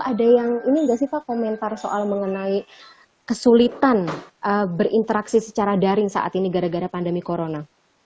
ada yang ini nggak sih pak komentar soal mengenai kesulitan berinteraksi secara daring saat ini gara gara pandemi corona